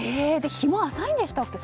日も浅いんでしたっけ？